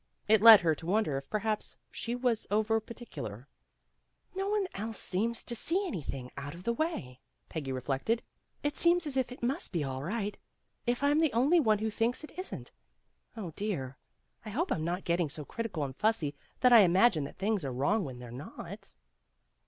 It led her to wonder if perhaps she was over particular. *' No one else seems to see anything out of the THE RUMMAGE SALE 75 way, '' Peggy reflected. It seems as if it must be all right, if I'm the only one who thinks it isn't. Oh, dear, I hope I'm not getting so crit ical and fussy that I imagine that things are wrong when they 're not.